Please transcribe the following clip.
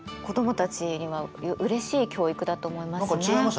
子どもたちにはうれしい教育だと思いますね。